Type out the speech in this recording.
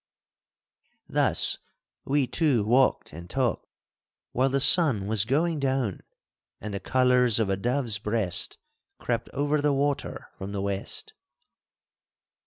Thus we two walked and talked, while the sun was going down and the colours of a dove's breast crept over the water from the west.